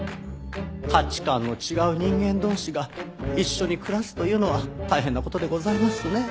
価値観の違う人間同士が一緒に暮らすというのは大変な事でございますね。